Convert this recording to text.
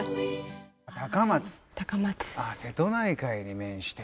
あっ瀬戸内海に面して。